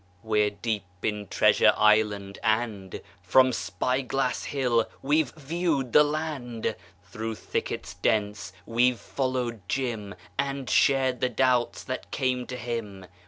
We're deep in Treasure Island, and From Spy Glass Hill we've viewed the land; Through thickets dense we've followed Jim And shared the doubts that came to him.